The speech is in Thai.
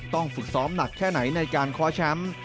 ต้องฝึกซ้อมหนักแค่ไหนในการคอชั่ม